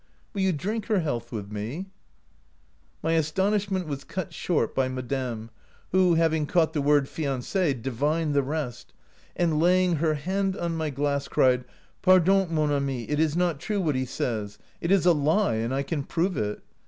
Will you drink her health with me ?' "My astonishment was cut short by madame, who, having caught the word ' fiance,' divined the rest, and, laying her hand on my glass cried, ' Pardon, mon ami, it is not true, what he says. It is a lie, and I can prove it.